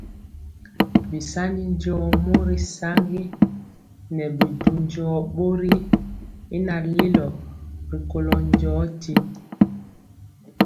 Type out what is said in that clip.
Bisani njɔɔ mori saŋgi nɛ bi du njɔɔ bori y naŋ lelo rikolo njɔɔtyi.